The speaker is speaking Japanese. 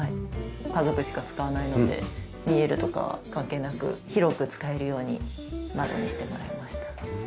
家族しか使わないので見えるとかは関係なく広く使えるように窓にしてもらいました。